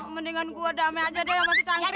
mendingan gue damai aja deh sama si cangkrik